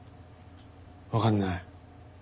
わかんない。